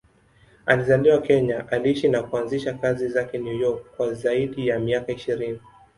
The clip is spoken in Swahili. Alizaliwa Kenya, aliishi na kuanzisha kazi zake New York kwa zaidi ya miaka ishirini.